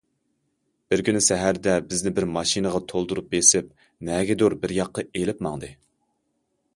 بىر كۈنى سەھەردە بىزنى بىر ماشىنىغا تولدۇرۇپ بېسىپ نەگىدۇر بىر ياققا ئېلىپ ماڭدى.